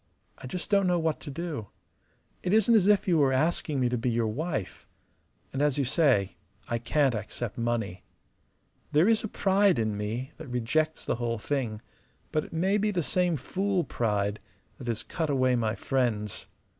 I just don't know what to do. It isn't as if you were asking me to be your wife. And as you say, I can't accept money. There is a pride in me that rejects the whole thing; but it may be the same fool pride that has cut away my friends.